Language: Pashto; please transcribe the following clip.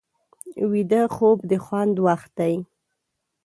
ویده خوب د خوند وخت دی